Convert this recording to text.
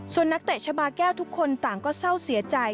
ส่วนนักเตะชาบาแก้วทุกคนต่างก็เศร้าเสียใจ